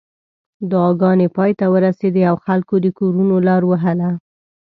دعاګانې پای ته ورسېدې او خلکو د کورونو لار وهله.